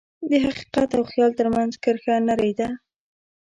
د حقیقت او خیال ترمنځ کرښه نری ده.